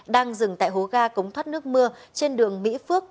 đang dừng tại hố ga cống thoát nước mưa trên đường mỹ phước